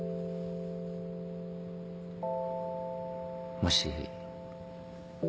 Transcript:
もし。